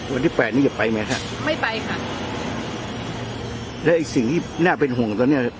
วันที่แปดนี้จะไปไหมฮะไม่ไปค่ะแล้วไอ้สิ่งที่น่าเป็นห่วงตอนเนี้ย